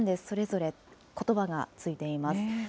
それぞれことばがついています。